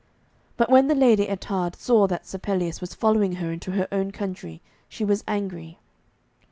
But when the Lady Ettarde saw that Sir Pelleas was following her into her own country, she was angry.